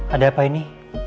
ada apa ini